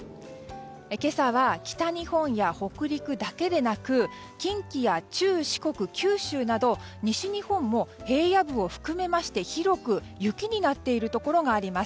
今朝は北日本や北陸だけでなく近畿や中国や四国、九州など西日本も平野部を含めまして広く雪になっているところがあります。